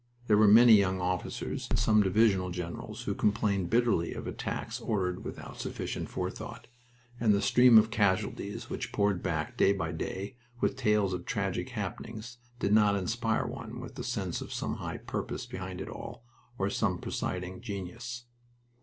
There were many young officers and some divisional generals who complained bitterly of attacks ordered without sufficient forethought, and the stream of casualties which poured back, day by day, with tales of tragic happenings did not inspire one with a sense of some high purpose behind it all, or some presiding genius.